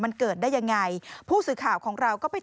มันเกิดได้ยังไง